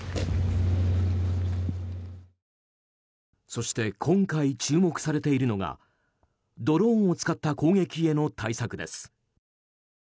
そして今回注目されているのがドローンを使った攻撃への対策です。